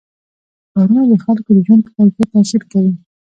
ښارونه د خلکو د ژوند په کیفیت تاثیر کوي.